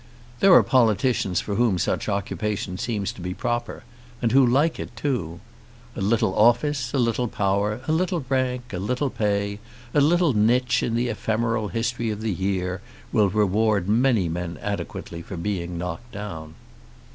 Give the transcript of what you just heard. There are politicians for whom such occupation seems to be proper; and who like it too. A little office, a little power, a little rank, a little pay, a little niche in the ephemeral history of the year will reward many men adequately for being knocked down.